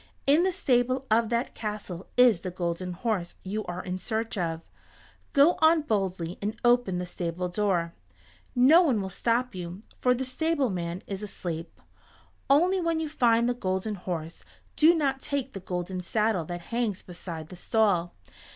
In the stable of that castle is the Golden Horse you are in search of. Go on boldly and open the stable door. No one will stop you, for the stableman is asleep. Only when you find the Golden Horse do not take the golden saddle that hangs beside the stall.